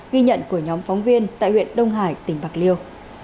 ghi nhận của nhóm phóng viên tại huyện đông hải tỉnh bạc liêu